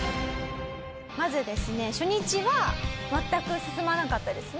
まずですね初日は全く進まなかったですね。